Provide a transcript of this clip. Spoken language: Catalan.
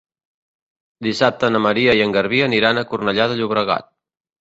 Dissabte na Maria i en Garbí aniran a Cornellà de Llobregat.